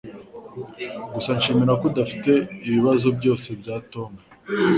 Gusa shimira ko udafite ibibazo byose bya Tom